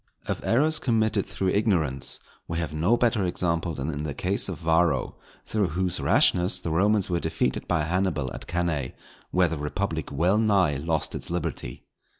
Of errors committed through ignorance we have no better example than in the case of Varro, through whose rashness the Romans were defeated by Hannibal at Cannæ, where the republic well nigh lost its liberty.